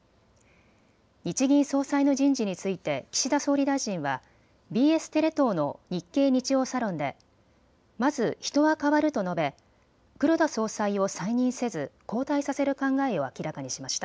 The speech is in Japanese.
日銀総裁の人事について岸田総理大臣はＢＳテレ東のＮＩＫＫＥＩ日曜サロンでまず人は変わると述べ、黒田総裁を再任せず交代させる考えを明らかにしました。